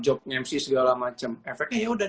job nge mc segala macem efeknya yaudah